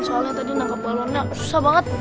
soalnya tadi nangkep balonnya susah banget